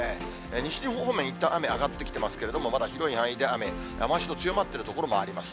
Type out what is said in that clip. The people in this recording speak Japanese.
西日本方面、いったん雨上がってきてますけれども、まだ広い範囲で雨、雨足の強まっている所もあります。